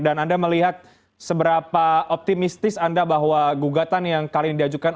anda melihat seberapa optimistis anda bahwa gugatan yang kali ini diajukan